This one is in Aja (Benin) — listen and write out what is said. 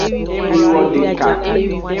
Miwodeka.